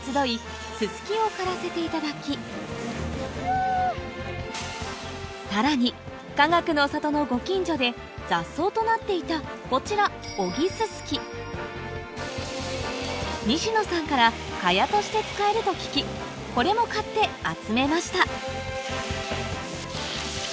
ススキを刈らせていただきさらにかがくの里のご近所でこちら西野さんから茅として使えると聞きこれも刈って集めました